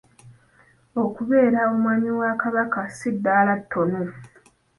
Okubeera Omwami wa Kabaka si ddaala ttono.